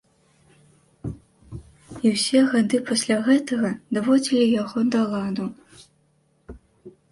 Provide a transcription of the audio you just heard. І ўсе гады пасля гэтага даводзілі яго да ладу.